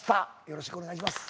よろしくお願いします。